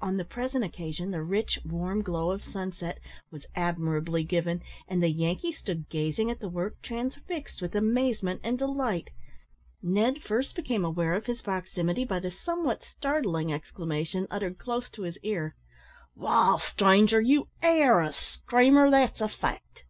On the present occasion, the rich warm glow of sunset was admirably given, and the Yankee stood gazing at the work, transfixed with amazement and delight. Ned first became aware of his proximity by the somewhat startling exclamation, uttered close to his ear "Wall, stranger, you air a screamer, that's a fact!"